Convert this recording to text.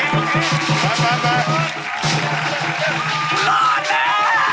รอดตายแล้ว